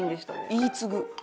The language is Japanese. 「言い継ぐ」？